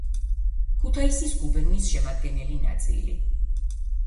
ქუთაისის გუბერნიის შემადგენელი ნაწილი.